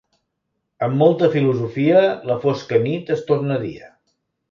Amb molta filosofia, la fosca nit es torna dia.